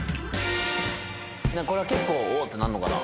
これは結構おおーってなんのかな？